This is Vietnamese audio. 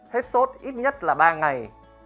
một hết sốt ít nhất là ba ngày